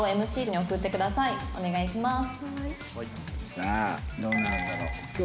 さあどうなんだろう？